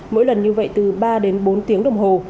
mỗi lần như vậy từ ba đến bốn tiếng đồng hồ